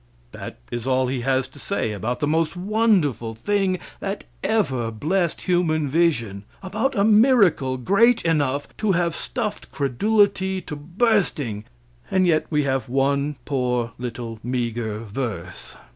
That is all he has to say about the most wonderful thing that ever blessed human vision about a miracle great enough to have stuffed credulity to bursting; and yet we have one poor, little meagre verse.